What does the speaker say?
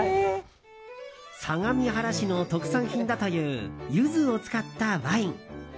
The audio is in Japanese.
相模原市の特産品だというゆずを使ったワイン。